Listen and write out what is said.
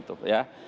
ada beberapa masalah